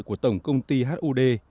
của tổng công ty hud